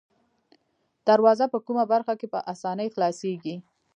دروازه په کومه برخه کې په آسانۍ خلاصیږي؟